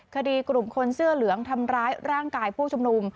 คดีกลุ่มคนเสื้อเหลืองทำร้ายร่างกายผู้ชุมนุม